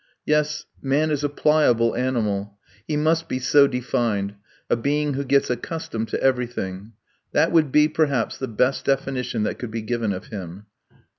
Yes, man is a pliable animal he must be so defined a being who gets accustomed to everything! That would be, perhaps, the best definition that could be given of him.